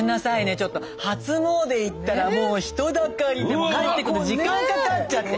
ちょっと初詣行ったらもう人だかりで帰ってくるの時間かかっちゃって。